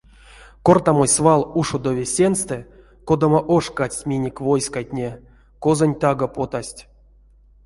Кортамось свал ушодови сеньстэ, кодамо ош кадсть минек войскатне, козонь таго потасть.